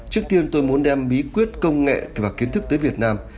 trước tiên tôi muốn đem bí quyết công nghệ và kiến thức tới việt nam